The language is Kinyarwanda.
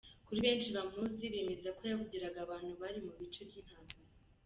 Kuri benshi bamuzi bemeza ko yavugiraga abantu bari mu bice by’intambara.